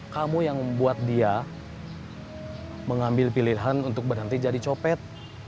kamu yang membuat dia mengambil pilihan untuk berhenti jadi copet